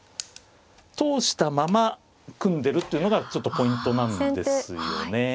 通したまま組んでるっていうのがちょっとポイントなんですよね。